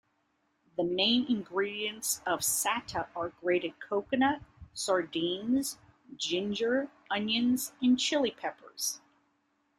The main ingredients of sata are grated coconut, sardines, ginger, onions and chili peppers.